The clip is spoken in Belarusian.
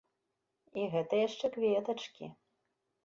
І гэта яшчэ кветачкі!